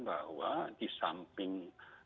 bahwa di samping